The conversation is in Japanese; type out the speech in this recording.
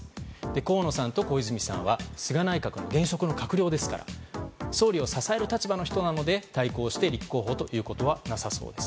河野さんと小泉さんは菅内閣の現職の閣僚ですから総理を支える立場の人なので対抗して立候補ということはなさそうです。